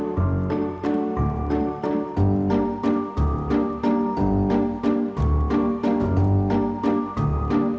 ฮือดีเมียก็บ้าไอ้ผัวก็บอก